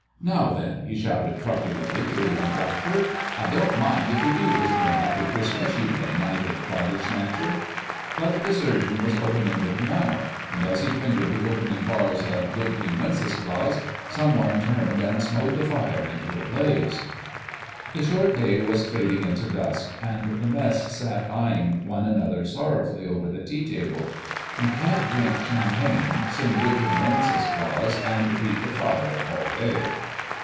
"Now then," he shouted truculently to the Young Doctor, "I don't mind if you do wish me a happy Christmas, you benighted body snatcher." But the Surgeon was opening the piano, and as he fingered the opening bars of "Good King Wenceslas," some one turned and smote the fire into a blaze. The short day was fading into dusk, and the Mess sat eyeing one another sorrowfully over the tea table. You can't drink champagne, sing "Good King Wenceslas," and beat the fire all day.